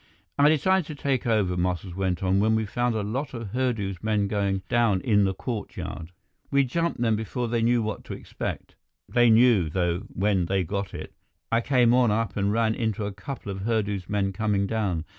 "I decided to take over," Muscles went on, "when we found a lot of Hurdu's men down in the courtyard. We jumped them before they knew what to expect. They knew, though, when they got it. I came on up and ran into a couple of Hurdu's men coming down.